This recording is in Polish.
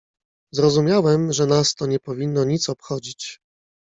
"Zrozumiałem, że nas to nie powinno nic obchodzić."